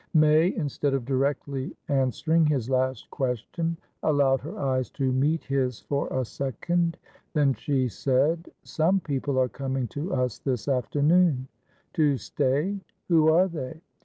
May, instead of directly answering his last question, allowed her eyes to meet his for a second. Then she said: "Some people are coming to us this afternoon." "To stay? Who are they?"